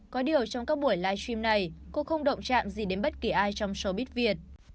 có điều trong các buổi livestream này cô không động chạm gì đến bất kỳ ai trong showbiz việt